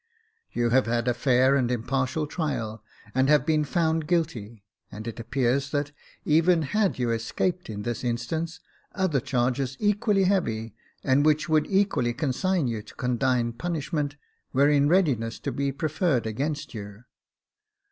You have had a fair and impartial trial, and have been found guilty ; and it appears that, even had you escaped in this instance, other charges, equally heavy, and which would equally consign you to condign punishment, were in readiness to be preferred against you.